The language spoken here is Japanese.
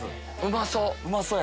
うまそう。